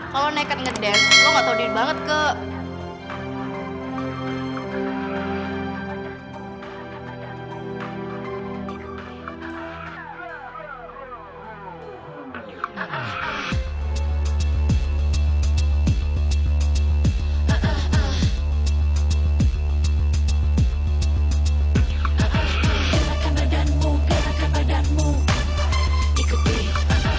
kalau naked ngedance lo gak tawarin banget kek